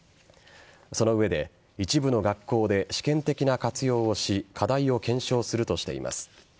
その上で一部の学校で試験的な活用をし課題を検証するとしています。